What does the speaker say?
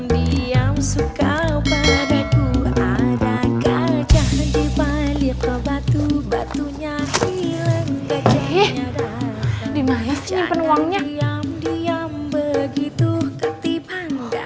di sini penuangnya